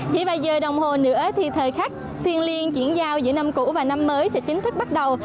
chỉ vài giờ đồng hồ nữa thì thời khắc thiên liên chuyển giao giữa năm cũ và năm mới sẽ chính thức bắt đầu